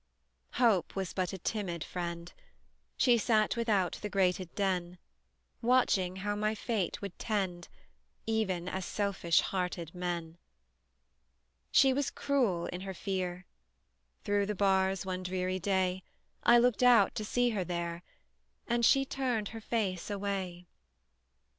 Hope Was but a timid friend; She sat without the grated den, Watching how my fate would tend, Even as selfish hearted men. She was cruel in her fear; Through the bars one dreary day, I looked out to see her there, And she turned her face away!